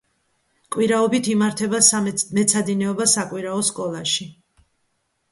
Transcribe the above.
კვირაობით იმართება მეცადინეობა საკვირაო სკოლაში.